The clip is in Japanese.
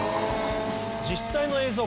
実際の映像